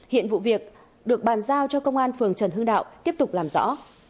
hiện vụ việc được bàn giao cho công an phường trần hương đạo tiếp tục làm rõ